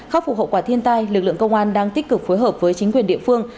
khắc phục hậu quả thiên tai lực lượng công an đang tích cực phối hợp với chính quyền địa phương